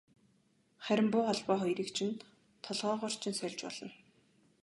Харин буу холбоо хоёрыг чинь толгойгоор чинь сольж болно.